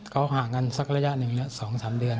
เขาห่างกันสักระยะหนึ่ง๒๓เดือน